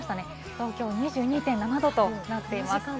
東京２２．７度となっています。